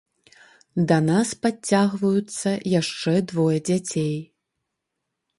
Да нас падцягваюцца яшчэ двое дзяцей.